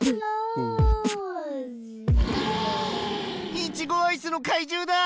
イチゴアイスのかいじゅうだぁ！